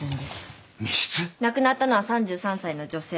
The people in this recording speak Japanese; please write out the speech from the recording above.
亡くなったのは３３歳の女性。